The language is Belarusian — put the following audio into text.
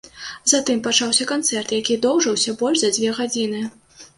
Затым пачаўся канцэрт, які доўжыўся больш за дзве гадзіны.